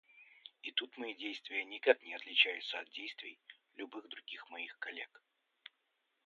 И тут мои действия никак не отличаются от действий любых других моих коллег.